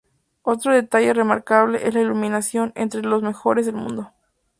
Otro detalle remarcable es la iluminación, entre las mejores del mundo.